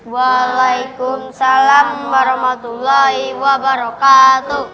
waalaikumsalam warahmatullahi wabarakatuh